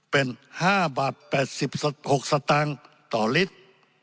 เป็น๕บาท๘๖สตางค์ต่อลิตร